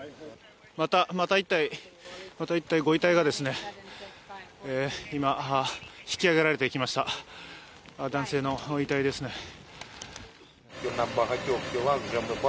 また１体ご遺体が今、引きあげられていきました男性の遺体ですね。